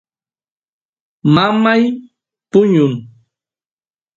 mamay puñun